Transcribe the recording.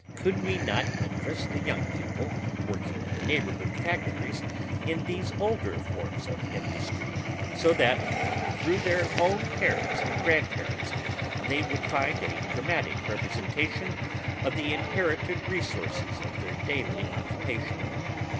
Could we not interest the young people working in the neighborhood factories in these older forms of industry, so that, through their own parents and grandparents, they would find a dramatic representation of the inherited resources of their daily occupation.